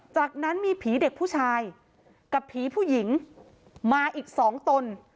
จากนั้นมีผีเด็กผู้ชายกับผีผู้หญิงมาอีกสองตน